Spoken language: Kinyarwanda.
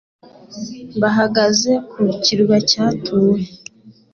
Bahagaze ku kirwa cyatuwe.